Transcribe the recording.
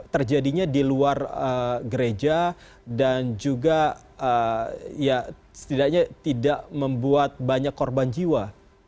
terjadinya di luar gereja dan juga ya setidaknya tidak membuat banyak korban jiwa